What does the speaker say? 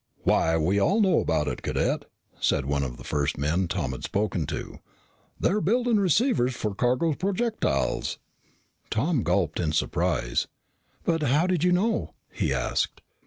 "Why, we all know about it, Cadet," said one of the first men Tom had spoken to. "They're building receivers for cargo projectiles." Tom gulped in surprise. "But how did you know?" he asked.